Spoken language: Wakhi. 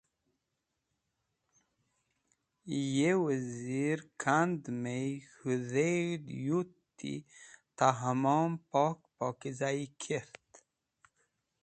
Ya Wazir-e kend yem k̃hũ dheg̃hd yuti ta hamom pok pokizayi kert.